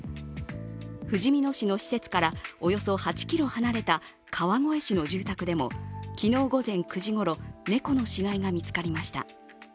ふじみ野市の施設からおよそ８ｋｍ離れた川越市の住宅でも昨日午前９時ごろ、猫の死骸が見つかりました。